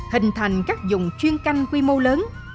hình thành các vùng chuyên canh quy mô lớn